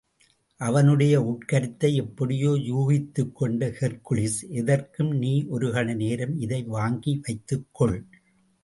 அவனுடைய உட்கருத்தை எப்படியோ யூகித்துக்கொண்ட ஹெர்க்குலிஸ் எதற்கும் நீ ஒரு கண நேரம் இதை வாங்கி வைத்துக் கொள்!